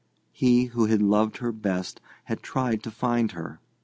He who had loved her best had tried to find her.